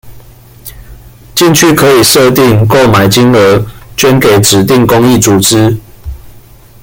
進去可以設定購買金額捐給指定公益組織